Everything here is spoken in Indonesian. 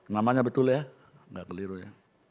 namanya betul ya nggak keliru ya